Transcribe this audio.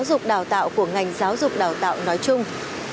giáo dục đào tạo của ngành giáo dục đào tạo nói chung